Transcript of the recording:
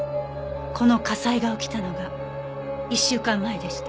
この火災が起きたのが１週間前でした。